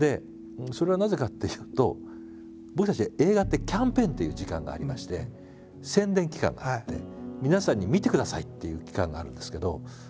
それはなぜかっていうと僕たちって映画ってキャンペーンっていう時間がありまして宣伝期間があって皆さんに見てくださいっていう期間があるんですけど。